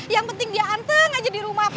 yang penting dia anteng aja dirumah